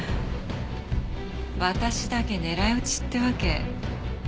私だけ狙い撃ちってわけ。